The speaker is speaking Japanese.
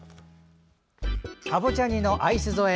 かぼちゃ煮のアイス添え